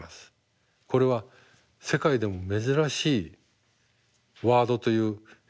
これは世界でも珍しいワードという英語だと。